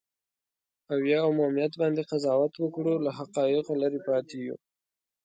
او یا عمومیت باندې قضاوت وکړو، له حقایقو لرې پاتې یو.